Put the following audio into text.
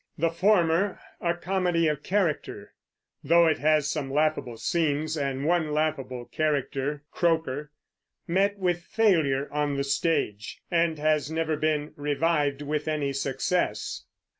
The former, a comedy of character, though it has some laughable scenes and one laughable character, Croaker, met with failure on the stage, and has never been revived with any success.